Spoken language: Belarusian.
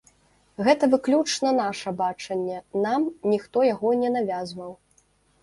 Гэта выключна наша бачанне, нам ніхто яго не навязваў.